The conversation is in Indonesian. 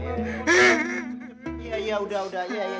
iya iya udah udah jangan lagi